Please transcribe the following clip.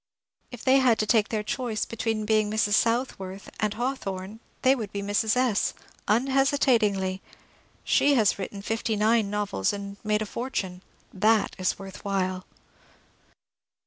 If they had to take their choice between being Mrs Southworth and Hawthorne they would be Mrs. S., — unhesitatingly ; she 428 MONCURE DANIEL CONWAY Has written fifty nine novels and made a fortune, — that is worth while.